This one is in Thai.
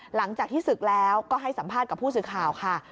หลังจากที่ศึกแล้วก็ให้สัมภาษณ์กับผู้สื่อข่าวค่ะ